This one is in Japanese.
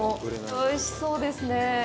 おいしそうですね。